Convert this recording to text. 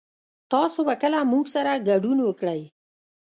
تاسو به کله موږ سره ګډون وکړئ